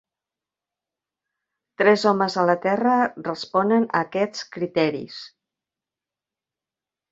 Tres homes a la Terra responen a aquests criteris.